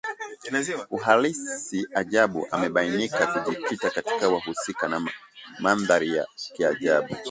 Uhalisi ajabu umebainika kujikita katika wahusika na mandhari ya kiajabu